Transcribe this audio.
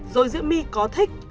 rồi diễm my có thích